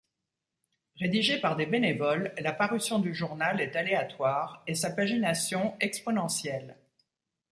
Rédigé par des bénévoles, la parution du journal est aléatoire, et sa pagination, exponentielle.